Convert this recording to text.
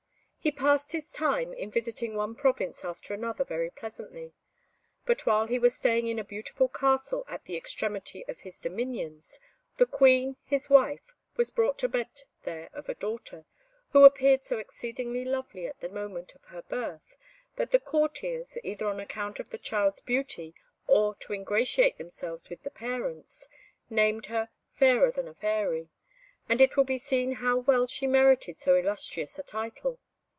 He passed his time in visiting one province after another very pleasantly; but while he was staying in a beautiful castle at the extremity of his dominions, the Queen, his wife, was brought to bed there of a daughter, who appeared so exceedingly lovely at the moment of her birth, that the courtiers, either on account of the child's beauty, or to ingratiate themselves with the parents, named her "Fairer than a Fairy;" and it will be seen how well she merited so illustrious a title.